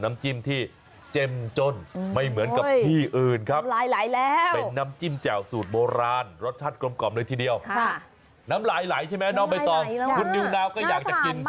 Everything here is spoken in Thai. มันบอกเลยนะครับว่าจะทำให้กลิ่นมันหอมหวน